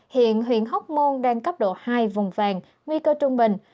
hiện huyện hóc môn đang cấp độ hai vùng vàng nguy cơ trung bình